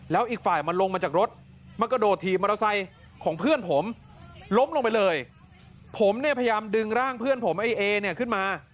แล้วอีกฝ่ายมันลงมาจากรถมากระโดดถีบมอเตอร์ไซค์ของเพื่อนผมล้มลงไปเลยผมเนี่ยพยายามดึงร่างเพื่อนผมไอ้เอเนี่ยขึ้นมา